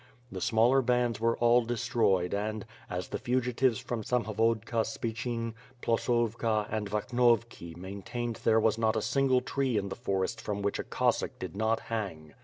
The smaller bands were all destroyed and, as the fugitives from Samhovodka Spichyn, Ploskova and Vakhnovki maintained there was not a single tree in the for ests from which a Cossack did not hang.